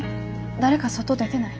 誰か外出てない？